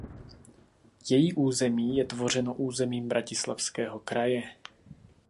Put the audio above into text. Její území je tvořeno územím Bratislavského kraje.